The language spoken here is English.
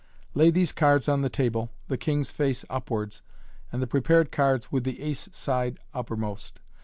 Lay these cards on the table, the kings face upwards, and the prepared cards with the "ace" side uppermost.